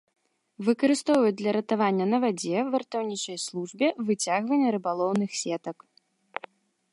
Выкарыстоўваюць для ратавання на вадзе, вартаўнічай службе, выцягвання рыбалоўных сетак.